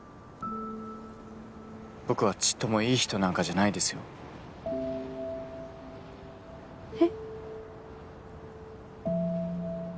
僕はちっともいい人なんかじゃないですよ。え？